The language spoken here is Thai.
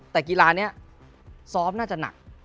แต่กีฬานี้ซ้อมน่าจะหนัก